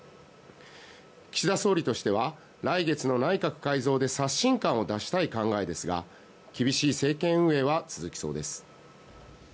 岸田総理としては来月の内閣改造で刷新感を出したい考えですが厳しい政権運営は続きそうです。